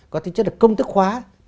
có tính chất là công tức hóa